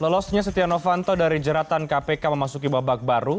lolosnya setia novanto dari jeratan kpk memasuki babak baru